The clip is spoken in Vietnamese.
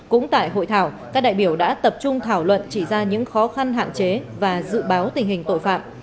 cũng tại hội thảo các đại biểu đã tập trung thảo luận chỉ ra những khó khăn hạn chế và dự báo tình hình tội phạm